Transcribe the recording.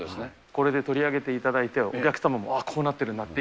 これで取り上げていただいて、お客様も、あー、こうなってるんだって。